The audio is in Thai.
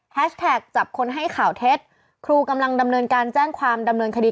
แท็กจับคนให้ข่าวเท็จครูกำลังดำเนินการแจ้งความดำเนินคดี